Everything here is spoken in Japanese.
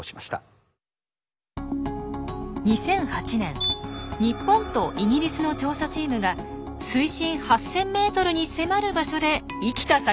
２００８年日本とイギリスの調査チームが水深８，０００ｍに迫る場所で生きた魚を撮影。